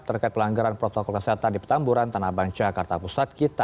terkait pelanggaran protokol kesehatan di petamburan tanah bang jakarta pusat